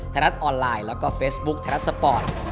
ไทยรัฐออนไลน์แล้วก็เฟซบุ๊คไทยรัฐสปอร์ต